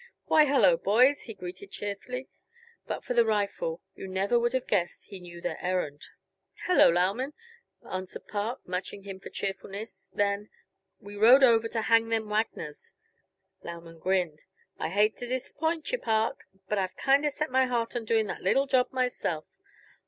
"Why, hello, boys," he greeted cheerfully. But for the rifle you never would have guessed he knew their errand. "Hello, Lauman," answered Park, matching him for cheerfulness. Then: "We rode over to hang them Wagners." Lauman grinned. "I hate to disappoint yuh, Park, but I've kinda set my heart on doing that little job myself.